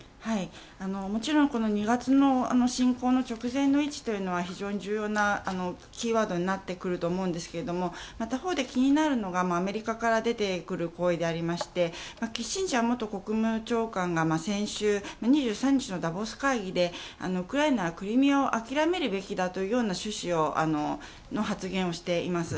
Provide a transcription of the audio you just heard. もちろん、２月の侵攻の直前の位置というのは非常に重要なキーワードになってくると思うんですが他方で気になるのがアメリカから出てくる声でありましてキッシンジャー元国務長官が先週２３日のダボス会議でウクライナはクリミアを諦めるべきだという趣旨の発言をしています。